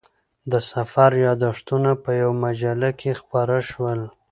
د سفر یادښتونه په یوه مجله کې خپاره شول.